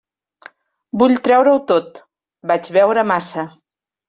Vull treure-ho tot: vaig beure massa.